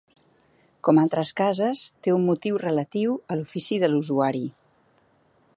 Com altres cases, té un motiu relatiu a l'ofici de l'usuari.